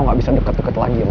gue gak percaya lo